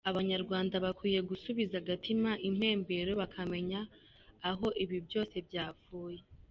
Abanyarwanda bakwiye gusubiza agatima impembero bakamenya aho ibi byose byavuye.